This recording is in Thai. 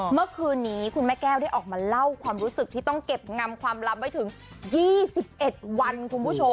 เมื่อคืนนี้คุณแม่แก้วได้ออกมาเล่าความรู้สึกที่ต้องเก็บงำความลับไว้ถึง๒๑วันคุณผู้ชม